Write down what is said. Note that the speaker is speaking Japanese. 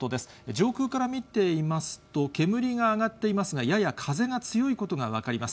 上空から見ていますと、煙が上がっていますが、やや風が強いことが分かります。